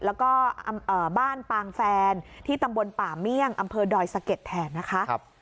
แล้วก็บ้านปางแฟนที่ตำบลป่าเมี่ยงอำเภอดอยสะเก็ดแทนนะคะ